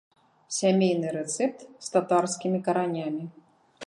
Сямейны рэцэпт з татарскімі каранямі.